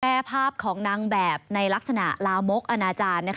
ภาพของนางแบบในลักษณะลามกอนาจารย์